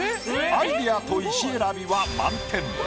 アイディアと石選びは満点。